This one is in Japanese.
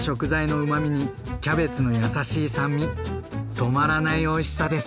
止まらないおいしさです。